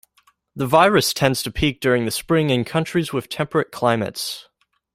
The virus tends to peak during the spring in countries with temperate climates.